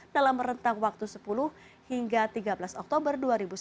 dalam rentang waktu sepuluh hingga tiga belas oktober dua ribu sembilan belas